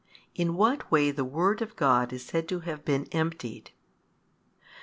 In what way the Word of God is said to have been emptied.